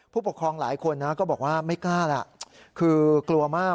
ผู้ปกครองหลายคนนะก็บอกว่าไม่กล้าแหละคือกลัวมาก